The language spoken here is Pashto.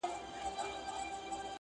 زور کاروي او پرېکړه کوي